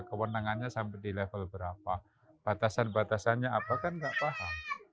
kewenangannya sampai di level berapa batasan batasannya apa kan nggak paham